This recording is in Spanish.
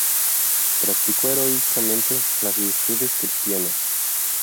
Practicó heroicamente las virtudes cristianas.